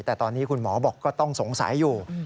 แต่ตอนนี้คุณหมอบอกก็ต้องสงสัยอยู่